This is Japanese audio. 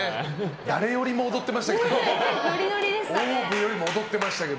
誰よりも踊ってました。